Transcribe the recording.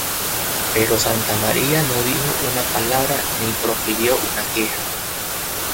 Pero Santamaría no dijo una palabra ni profirió una queja.